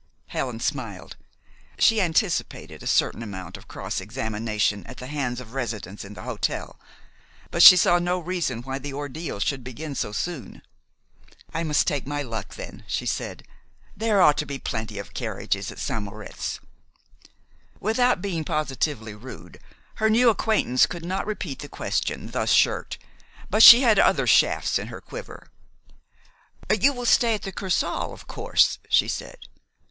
Helen smiled. She anticipated a certain amount of cross examination at the hands of residents in the hotel; but she saw no reason why the ordeal should begin so soon. "I must take my luck then," she said. "There ought to be plenty of carriages at St. Moritz." Without being positively rude, her new acquaintance could not repeat the question thus shirked. But she had other shafts in her quiver. "You will stay at the Kursaal, of course?" she said.